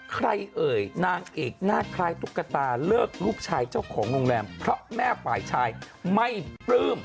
เอ่ยนางเอกหน้าคล้ายตุ๊กตาเลิกลูกชายเจ้าของโรงแรมเพราะแม่ฝ่ายชายไม่ปลื้ม